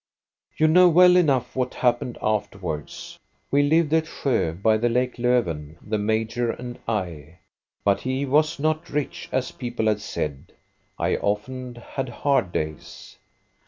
" You know well enough what happened afterwards. We lived at Sjo by the Lake Lofven, the major and I. But he was not rich, as people had said. I often had hard days.